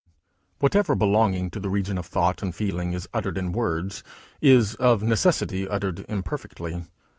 Whatever belonging to the region of thought and feeling is uttered in words, is of necessity uttered imperfectly.